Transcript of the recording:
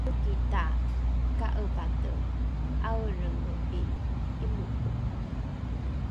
omiki taka’epate ’aelrenge ’i ’imoko